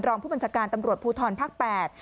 รองผู้บัญชาการตำรวจภูทรภาคแปด